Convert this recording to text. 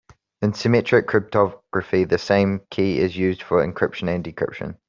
In symmetric cryptography the same key is used for encryption and decryption.